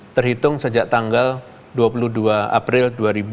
terhitung sejak tanggal dua puluh dua april dua ribu dua puluh